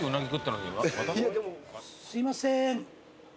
すいません。